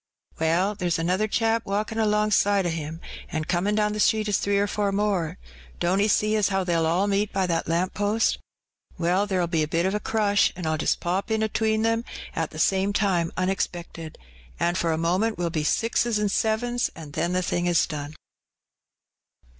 Well, there's another chap walkin* alongside o* him, VD^ comin* down the street is three or four more; don't 'e jee as how they'll all meet by that lamp post? Well, her'll be a bit o' crush, an' Pll just pop in atween 'em it the same time onexpected, an' for a moment we'll be jixes an' sevens, an' then the thing is done."